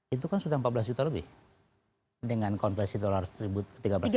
itu kan sudah empat belas juta lebih dengan konversi dolar seribu tiga ratus juta